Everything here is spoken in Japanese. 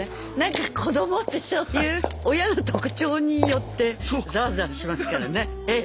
子どもってそういう親の特徴によってザワザワしますからね。